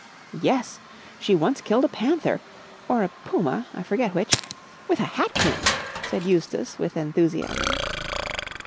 "Yes! She once killed a panther—or a puma, I forget which—with a hat pin!" said Eustace with enthusiasm.